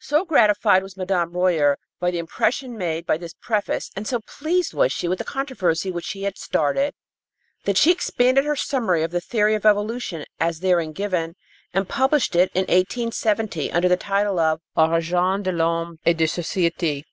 So gratified was Madame Royer by the impression made by this preface and so pleased was she with the controversy which she had started, that she expanded her summary of the theory of evolution as therein given and published it in 1870 under the title of Origine de l'Homme et de Sociétés.